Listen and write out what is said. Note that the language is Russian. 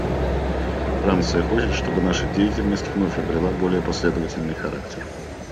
Франция хочет, чтобы наша деятельность вновь обрела более последовательный характер.